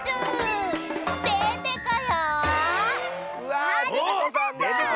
わあデテコさんだ。